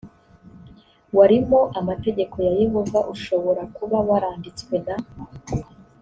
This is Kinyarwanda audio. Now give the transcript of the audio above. warimo amategeko ya yehova ushobora kuba waranditswe na